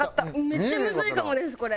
めっちゃむずいかもですこれ。